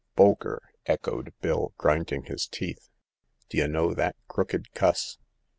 " Bolker !" echoed Bill, grinding his teeth :" d' y' know that crooked cuss